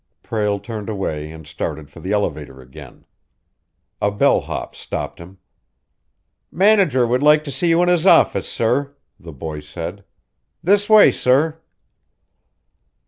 Prale turned away and started for the elevator again. A bell hop stopped him. "Manager would like to see you in his office, sir," the boy said. "This way, sir."